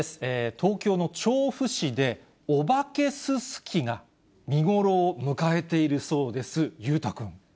東京の調布市で、お化けススキが見頃を迎えているそうです。